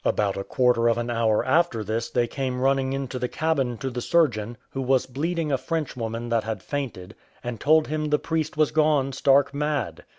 About a quarter of an hour after this they came running into the cabin to the surgeon, who was bleeding a Frenchwoman that had fainted, and told him the priest was gone stark mad.